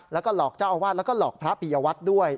แล้วก็หลอกเจ้าอาวาสแล้วก็หลอกพระปียวัตรด้วย